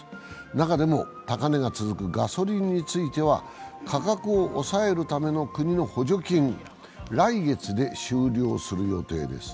中でも高値が続くガソリンについては価格を抑えるための国の補助金、来月で終了する予定です。